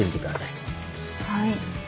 はい。